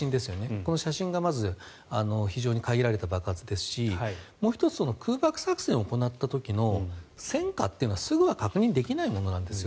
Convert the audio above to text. この写真がまず非常に限られた爆発ですしもう１つ空爆作戦を行った時の戦果というのはすぐには確認できないものなんですよ。